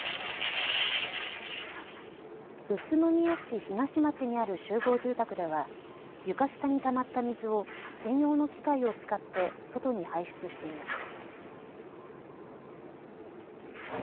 宇都宮市東町にある集合住宅では床下にたまった水を専用の機械を使って外に排出していました。